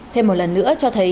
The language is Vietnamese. thêm một lần nữa cho thấy